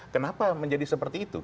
kenapa menjadi seperti itu